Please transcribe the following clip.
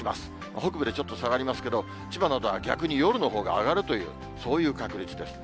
北部でちょっと下がりますけど、千葉などは、逆に夜のほうが上がるという、そういう確率です。